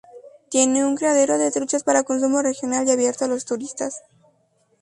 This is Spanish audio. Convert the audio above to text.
Tiene un criadero de truchas para consumo regional y abierto a los turistas.